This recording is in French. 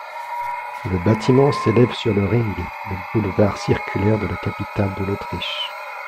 Le bâtiment s'élève sur le Ring, le boulevard circulaire de la capitale de l'Autriche.